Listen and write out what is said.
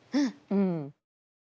うん。